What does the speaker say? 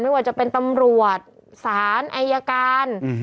ไม่ว่าจะเป็นตำรวจศาลอายการ